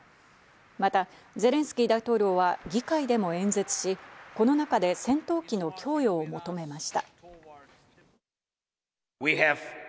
またゼレンスキー大統領は議会でも演説し、この中で戦闘機の供与を求めました。